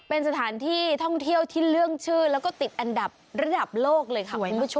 เป็นสถานที่ท่องเที่ยวที่เรื่องชื่อแล้วก็ติดอันดับระดับโลกเลยค่ะคุณผู้ชม